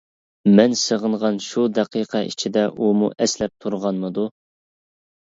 مەن سېغىنغان شۇ دەقىقە ئىچىدە، ئۇمۇ ئەسلەپ تۇرغانمىدۇ؟ !